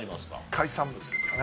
海産物ですかね。